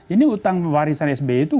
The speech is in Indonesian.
ini utang warisan sby itu